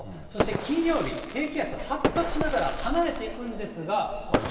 そして金曜日、低気圧が発達しながら離れていくんですが。